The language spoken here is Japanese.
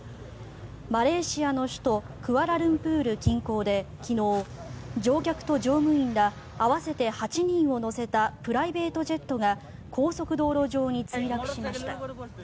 マレーシアの首都クアラルンプール近郊で昨日乗客と乗務員ら合わせて８人を乗せたプライベートジェットが高速道路上に墜落しました。